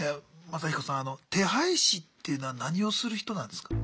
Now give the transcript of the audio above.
マサヒコさん手配師っていうのは何をする人なんですか？